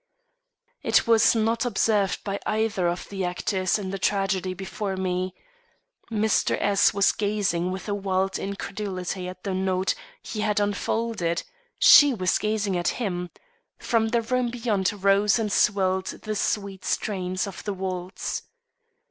It was not observed by either of the actors in the tragedy before me. Mr. S was gazing with a wild incredulity at the note he had unfolded; she was gazing at him. From the room beyond rose and swelled the sweet strains of the waltz.